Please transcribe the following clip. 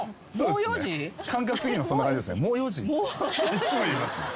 いっつも言いますね。